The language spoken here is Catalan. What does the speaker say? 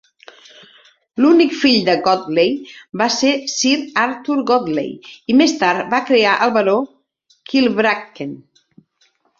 L'únic fill de Godley va ser Sir Arthur Godley, i més tard va crear el baró Kilbracken.